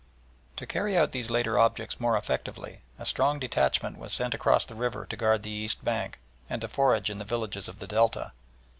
To carry out these latter objects more effectually a strong detachment was sent across the river to guard the east bank, and to forage in the villages of the Delta.